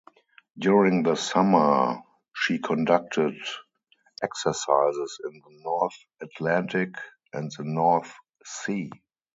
During the summer, she conducted exercises in the North Atlantic and the North Sea.